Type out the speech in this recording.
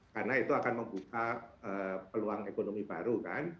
karena itu akan membuka peluang ekonomi baru kan